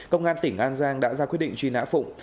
công an tỉnh an giang đã ra quyết định truy nã phụng